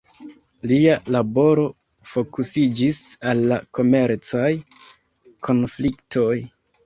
Lia laboro fokusiĝis al la komercaj konfliktoj.